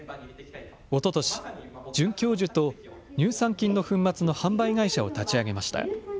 おととし、准教授と乳酸菌の粉末の販売会社を立ち上げました。